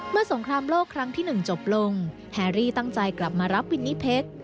สงครามโลกครั้งที่๑จบลงแฮรี่ตั้งใจกลับมารับวินนิเพชร